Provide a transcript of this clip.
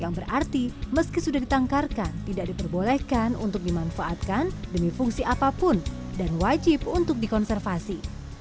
yang berarti meski sudah ditangkarkan tidak diperbolehkan untuk dimanfaatkan demi fungsi apapun dan wajib untuk dikonservasi